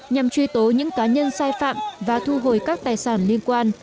nhằm truy tố những cá nhân sai phạm và thu hồi các tài sản liên quan